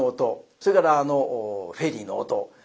それからあのフェリーの音。